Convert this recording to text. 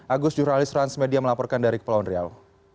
agus jurnalis transmedia melaporkan dari pulau nreal